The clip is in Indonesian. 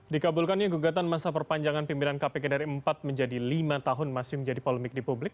dikabulkannya gugatan masa perpanjangan pimpinan kpk dari empat menjadi lima tahun masih menjadi polemik di publik